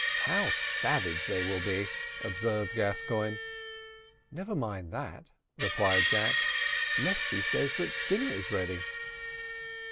"How savage they will be!" observed Gascoigne. "Never mind that," replied Jack; "Mesty says that dinner is ready."